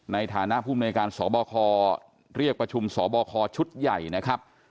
ในฐานะภูมิในการสบคเรียกประชุมสบคชุดใหญ่นะครับ